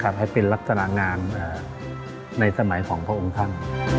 ให้เป็นลักษณะงานในสมัยของพระองค์ท่าน